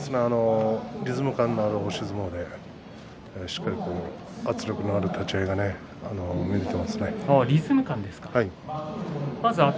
リズム感のある押し相撲でしっかりと圧力のある立ち合いが見られていますね。